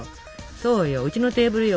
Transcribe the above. そうようちのテーブルよ